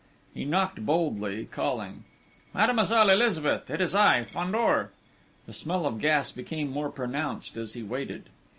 He knocked boldly, calling: "Mademoiselle Elizabeth! It is I, Fandor!" The smell of gas became more pronounced as he waited.